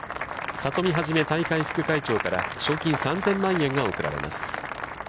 里見治大会副会長から賞金３０００万円が贈られます。